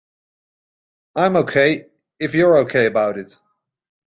I'm OK if you're OK about it.